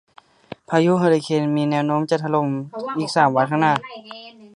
พายุเฮอริเคนมีมีแนวโน้มจะเข้าถล่มอีกสามวันข้างหน้า